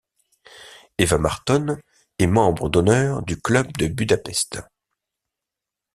Éva Marton est membre d'honneur du Club de Budapest.